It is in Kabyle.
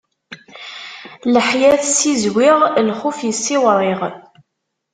Leḥya tessizwiɣ, lxuf issiwṛiɣ.